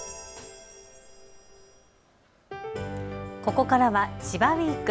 ここからは千葉ウイーク。